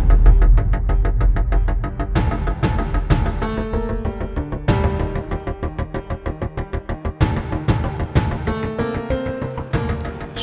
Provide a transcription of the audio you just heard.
kalau aku enggak mau n guitar